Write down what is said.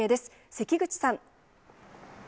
関口さん。